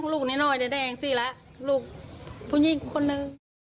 ลูกน้อยแต่แดงสี่ละลูกผู้ยิ่งคนหนึ่ง